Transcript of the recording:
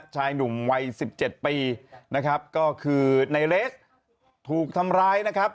ชายหนุ่มวัย๑๗ปีนะครับก็คือในเลสถูกทำร้ายนะครับ